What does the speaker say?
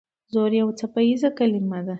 زور یو څپیزه کلمه ده.